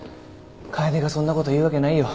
楓がそんなこと言うわけないよ。